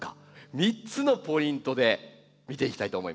３つのポイントで見ていきたいと思います。